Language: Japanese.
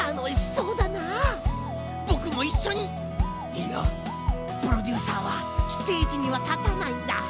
いやプロデューサーはステージにはたたないんだ。